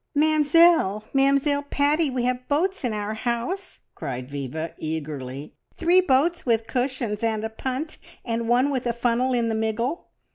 "Mamzelle! Mamzelle Paddy, we have boats in our house!" cried Viva eagerly. "Three boats with cushions, and a punt, and one with a funnel in the miggle.